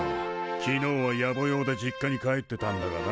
昨日はやぼ用で実家に帰ってたんだがな。